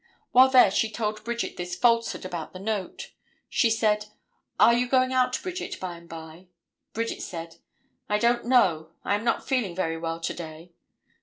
While there she told Bridget this falsehood about the note. She said, "Are you going out, Bridget, by and by?" Bridget said: "I don't know; I am not feeling very well to day."